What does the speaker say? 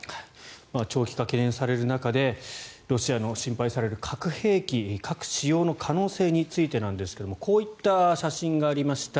長期化が懸念される中でロシアの心配される核兵器、核使用の可能性についてなんですがこういった写真がありました。